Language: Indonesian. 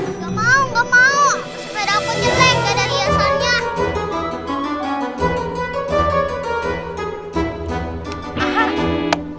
nggak mau nggak mau sepeda pun jelek nggak ada hiasannya